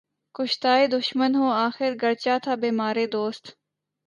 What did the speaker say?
کُشتۂ دشمن ہوں آخر، گرچہ تھا بیمارِ دوست